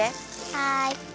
はい！